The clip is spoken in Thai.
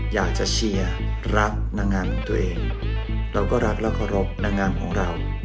อยากจะเชียร์รักนางงามของตัวเองเราก็รักและเคารพนางงามของเรา